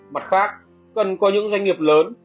mặt khác cần có những doanh nghiệp lớn